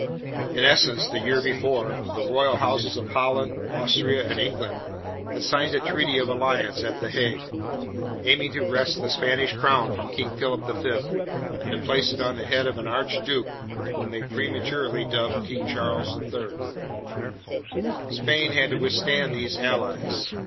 "In essence, the year before, the royal houses of Holland, Austria, and England had signed a treaty of alliance at The Hague, aiming to wrest the Spanish crown from King Philip V and to place it on the head of an archduke whom they prematurely dubbed King Charles III. "Spain had to withstand these allies.